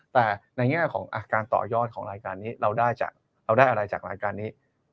แต่ในแง่ของการต่อยอดของรายการนี้เราได้อะไรจากรายการนี้